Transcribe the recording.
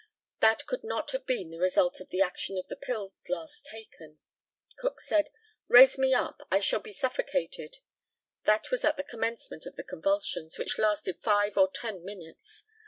That could not have been the result of the action of the pills last taken. Cook said, "Raise me up! I shall be suffocated." That was at the commencement of the convulsions, which lasted five or ten minutes.